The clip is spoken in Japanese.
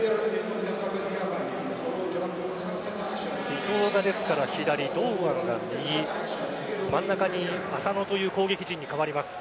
伊東が左、堂安が右真ん中に浅野という攻撃陣に変わります。